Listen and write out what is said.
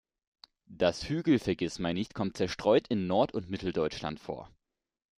Das Hügel-Vergissmeinnicht kommt zerstreut in Nord- und Mitteldeutschland vor.